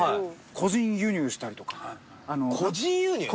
個人輸入！？